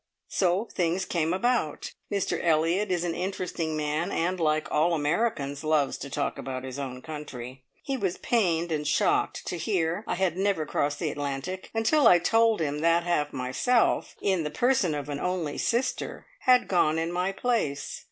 So things came about! Mr Elliott is an interesting man, and, like all Americans, loves to talk about his own country. He was pained and shocked to hear I had never crossed the Atlantic, until I told him that half myself, in the person of an only sister, had gone in my place.